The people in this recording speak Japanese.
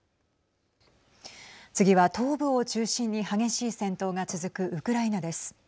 次は東部を中心に激しい戦闘が続くウクライナです。